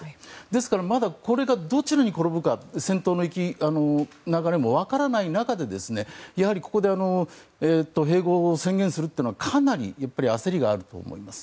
ですから、まだこれがどちらに転ぶか戦闘の流れも分からない中でここで併合を宣言するというのはかなり焦りがあると思います。